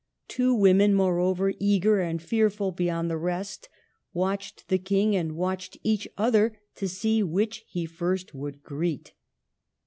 Two women, moreover, eager and fearful beyond the rest, watched the King, and watched each other, to see which he first would greet.